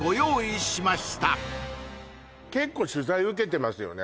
結構取材受けてますよね？